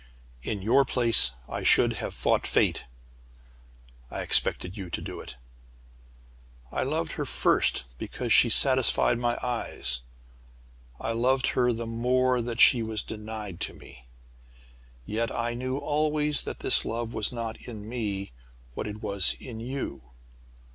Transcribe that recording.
In your place I should have fought Fate, I expected you to do it. "I loved her first, because she satisfied my eyes. I loved her the more that she was denied to me! Yet I knew always that this love was not in me what it was in you.